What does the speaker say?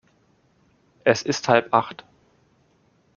Es ist halb acht.